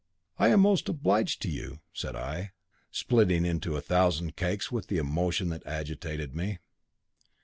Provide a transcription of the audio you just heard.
"I am most obliged to you," said I, splitting into a thousand cakes with the emotion that agitated me.